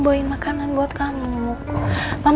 bobby makanan buat kamu green